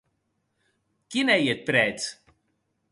Quin ei eth prètz?